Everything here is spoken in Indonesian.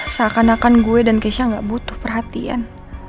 seakan akan gue dan keisha gak butuh perhatian